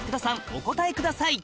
お答えください